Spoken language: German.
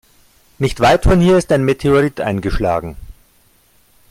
Nicht weit von hier ist ein Meteorit eingeschlagen.